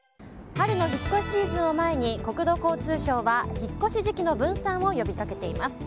春の引っ越しシーズンを前に国土交通省は引っ越し時期の分散を呼び掛けています。